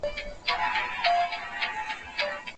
څوک غواړي چي په دې ازموينه کي لوړ مقام ترلاسه کړي؟